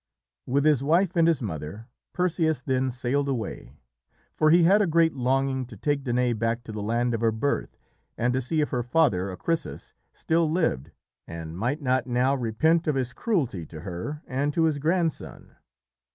With his wife and his mother, Perseus then sailed away, for he had a great longing to take Danaë back to the land of her birth and to see if her father, Acrisius, still lived and might not now repent of his cruelty to her and to his grandson.